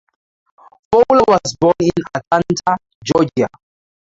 Fowler was born in Atlanta, Georgia.